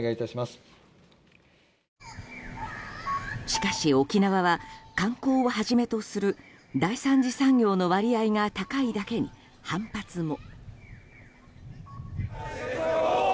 しかし、沖縄は観光をはじめとする第３次産業の割合が高いだけに反発も。